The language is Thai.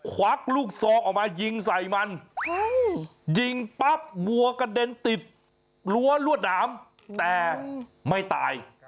วักลูกซองออกมายิงใส่มันยิงปั๊บวัวกระเด็นติดรั้วรวดหนามแต่ไม่ตาย